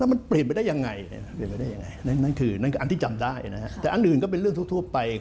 แล้วมันเปลี่ยนไปได้ยังไง